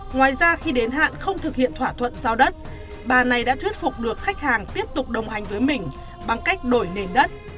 ngoài ra khi đến hạn không thực hiện thỏa thuận giao đất bà này đã thuyết phục được khách hàng tiếp tục đồng hành với mình bằng cách đổi nền đất